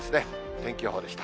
天気予報でした。